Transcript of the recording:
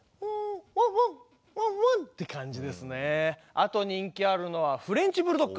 あと人気あるのはフレンチブルドッグ。